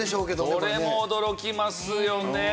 どれも驚きますよね。